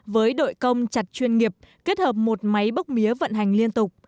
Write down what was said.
với đội công chặt chuyên nghiệp kết hợp một máy bốc mía vận hành liên tục